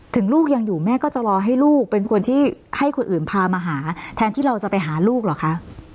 ลูกยังอยู่แม่ก็จะรอให้ลูกเป็นคนที่ให้คนอื่นพามาหาแทนที่เราจะไปหาลูกเหรอคะ